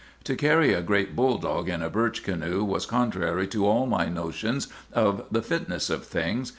To carry a great bulldog in a birch canoe was contrary to all my notions of the fitness of things.